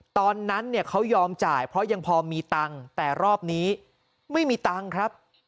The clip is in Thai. ตอนนั้นเนี่ยเขายอมจ่ายเพราะยังพอมีตังค์แต่รอบนี้ไม่มีตังค์ครับ